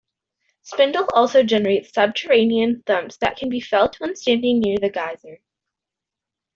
Spindle also generates subterranean thumps that can be felt when standing near the geyser.